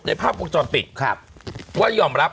ในภาพโวงจรติกว่ายอมรับ